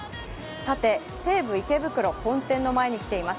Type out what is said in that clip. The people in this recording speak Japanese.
さて西武池袋本店の前に来ています。